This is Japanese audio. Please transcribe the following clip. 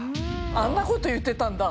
あんな事言ってたんだ。